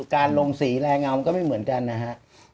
การลงสีแรงเงามันก็ไม่เหมือนกันนะครับ